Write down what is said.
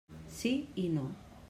Sí i no.